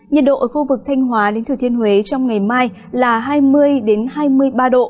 nhiệt độ ở khu vực thanh hóa đến thừa thiên huế trong ngày mai là hai mươi hai mươi ba độ